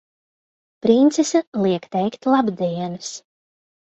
Princese liek teikt labdienas!